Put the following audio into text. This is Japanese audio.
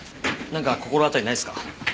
なんか心当たりないっすか？